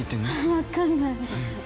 わかんない。